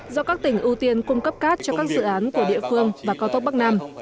do các tỉnh ưu tiên cung cấp cát cho các dự án của địa phương và cao tốc bắc nam